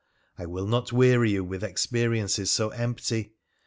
I will not weary you with experiences so empty.